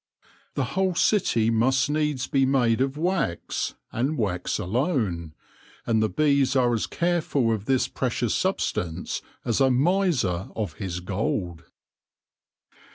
The whole city must needs be made of wax, and wax alone ; and the bees are as careful of this precious substance as a miser of his gold.